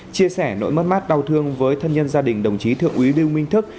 chia sẻ nỗi mất mát đau thương với thân nhân gia đình đồng chí thượng úy lưu minh thức